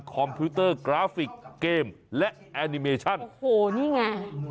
คอมพิวเตอร์กราฟิกเกมและแอนิเมชั่นโอ้โหนี่ไง